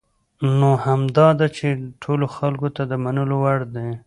نو همدا ده چې ټولو خلکو ته د منلو وړ دي .